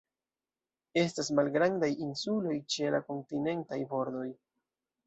Estas malgrandaj insuloj ĉe la kontinentaj bordoj.